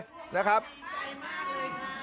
ใจมากเลยค่ะ